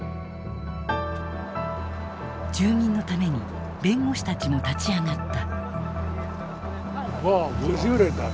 住民のために弁護士たちも立ち上がった。